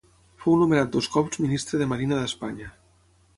Fou nomenat dos cops Ministre de Marina d'Espanya.